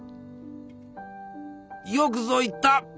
よくぞ言った！